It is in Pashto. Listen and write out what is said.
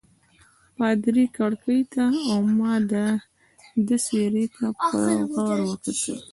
پادري کړکۍ ته او ما د ده څېرې ته په غور وکتل.